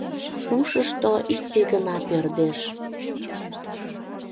Ушышто икте гына пӧрдеш.